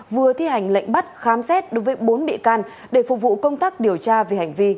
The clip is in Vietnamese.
vừa thi hành lệnh bắt khám xét đối với bốn bị can để phục vụ công tác điều tra về hành vi